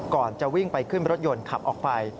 ก่อนจะวิ่งไปขึ้นรถยนต์ขับออกไป